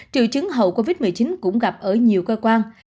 triệu chứng hậu covid một mươi chín cũng gặp ở nhiều cơ quan